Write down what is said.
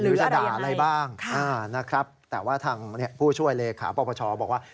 หรือจะด่าอะไรบ้างนะครับแต่ว่าทางผู้ช่วยเลขาปรปชบอกว่า